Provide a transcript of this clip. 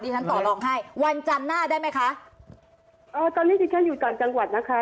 ฉันต่อรองให้วันจันทร์หน้าได้ไหมคะเออตอนนี้ที่ฉันอยู่ต่างจังหวัดนะคะ